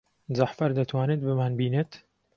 جەعفەر دەتوانێت بمانبینێت؟